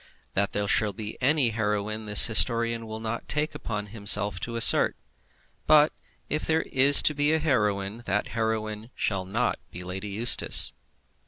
That there shall be any heroine the historian will not take upon himself to assert; but if there be a heroine, that heroine shall not be Lady Eustace.